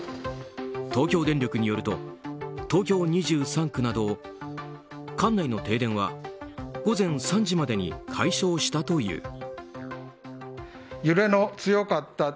東京電力によると東京２３区など管内の停電は午前３時までに解消したという。